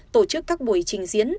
tổ chức các buổi trình diễn